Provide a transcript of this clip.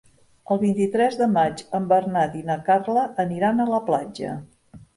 El vint-i-tres de maig en Bernat i na Carla aniran a la platja.